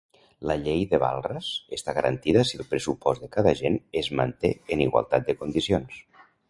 La Llei de Walras està garantida si el pressupost de cada agent es manté en igualtat de condicions.